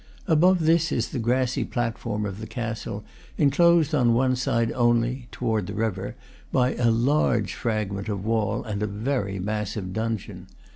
Above this is the grassy platform of the castle, enclosed on one side only (toward the river) by a large fragment of wall and a very massive dungeon.